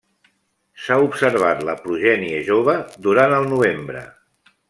S'ha observat la progènie jove durant el novembre.